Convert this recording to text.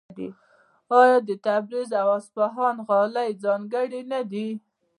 آیا د تبریز او اصفهان غالۍ ځانګړې نه دي؟